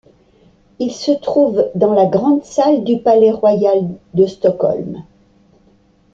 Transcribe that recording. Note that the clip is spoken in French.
Il se trouve dans la grande salle ' du palais royal de Stockholm.